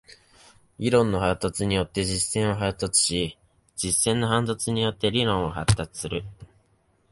理論の発達によって実践は発達し、実践の発達によって理論は発達する。